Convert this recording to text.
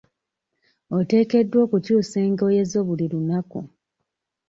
Oteekeddwa okukyusa engoye zo buli lunaku.